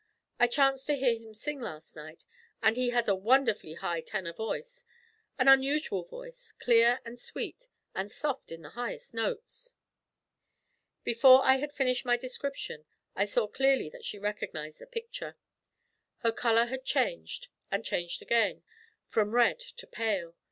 I chanced to hear him sing last night, and he has a wonderfully high tenor voice an unusual voice; clear and sweet, and soft in the highest notes.' Before I had finished my description, I saw clearly that she recognised the picture. Her colour had changed and changed again, from red to pale.